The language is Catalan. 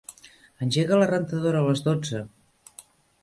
Engega la rentadora a les dotze.